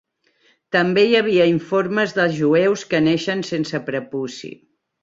També hi havia informes de jueus que neixen sense prepuci.